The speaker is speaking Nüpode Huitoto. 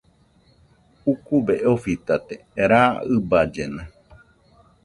Ukube ofitate raa ɨballena